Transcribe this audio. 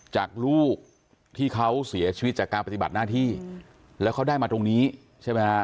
จากลูกที่เขาเสียชีวิตจากการปฏิบัติหน้าที่แล้วเขาได้มาตรงนี้ใช่ไหมฮะ